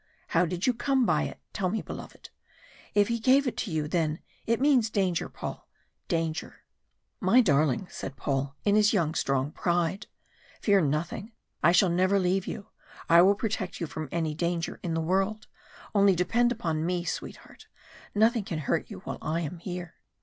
How did you come by it? tell me, beloved. If he gave it to you, then it means danger, Paul danger " "My darling," said Paul, in his strong young pride "fear nothing, I shall never leave you. I will protect you from any danger in the world, only depend upon me, sweetheart. Nothing can hurt you while I am here."